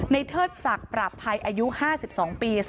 เทิดศักดิ์ปราบภัยอายุ๕๒ปี